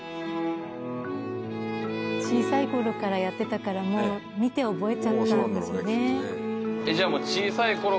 小さい頃からやってたからもう見て覚えちゃったんでしょうね。